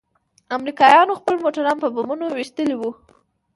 امريکايانو خپل موټران په بمونو ويشتلي وو.